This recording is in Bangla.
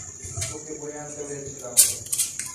তোকে বয়ে আনতে হয়েছিল আমাকে।